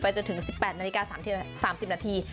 จนถึง๑๘นาฬิกา๓๐นาที